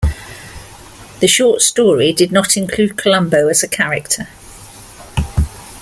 The short story did not include Columbo as a character.